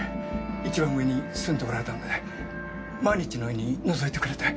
一番上に住んでおられたので毎日のようにのぞいてくれて。